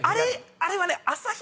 あれはね。